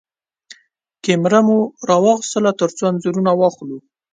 کېمره مو راواخيستله ترڅو انځورونه واخلو.